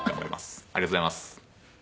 ありがとうございます。